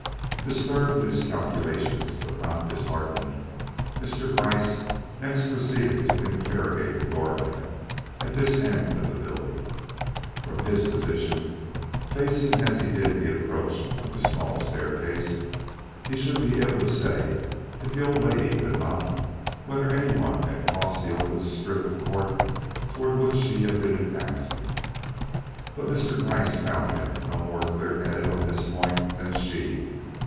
Disturbed in his calculations, but not disheartened, Mr. Gryce next proceeded to interrogate the door man at this end of the building. From his position, facing as he did the approach from the small staircase, he should be able to say, if the old lady could not, whether anyone had crossed the open strip of court toward which she had been advancing. But Mr. Gryce found him no more clear headed on this point than she.